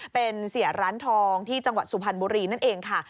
เป็นเสียร้านทองที่จังหวัดสุพรรณบุรีนั่นเองค่ะ